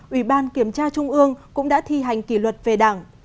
ủy ban kiểm tra trung ương cũng đã thi hành kỷ luật về đảng